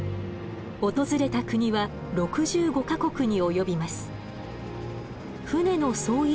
訪れた国は６５か国に及びます。